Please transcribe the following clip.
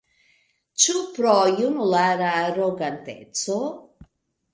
Ĉu pro junulara aroganteco?